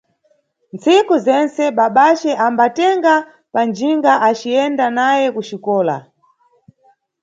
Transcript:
Ntsiku zentse, babace ambanʼtenga panjinga aciyenda naye kuxikola.